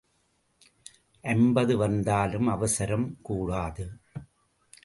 ஐம்பது வந்தாலும் அவசரம் கூடாது.